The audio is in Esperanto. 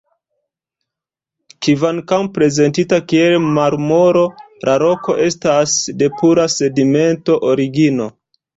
Kvankam prezentita kiel marmoro, la roko estas de pura sedimenta origino.